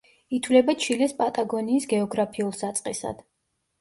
ითვლება ჩილეს პატაგონიის გეოგრაფიულ საწყისად.